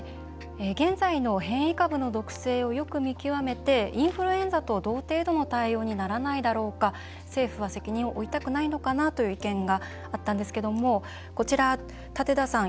現在の変異株の毒性をよく見極めてインフルエンザと同程度の対応にならないだろうか政府は責任を負いたくないのかなという意見があったんですがこちら、舘田さん